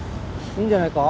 いいんじゃないか？